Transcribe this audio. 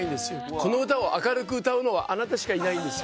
この歌を明るく歌うのはあなたしかいないんです」。